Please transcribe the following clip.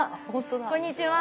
こんにちは。